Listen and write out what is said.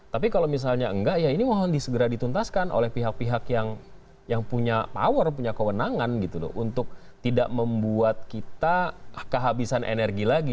tapi kalau misalnya enggak ya ini mohon disegera dituntaskan oleh pihak pihak yang punya power punya kewenangan gitu loh untuk tidak membuat kita kehabisan energi lagi